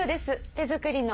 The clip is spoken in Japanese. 手作りの。